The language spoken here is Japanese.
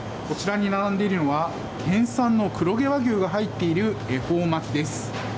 こちらに並んでいるのは県産の黒毛和牛が入っている恵方巻きです。